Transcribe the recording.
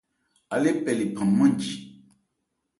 Á lê pɛ lephan nmánji.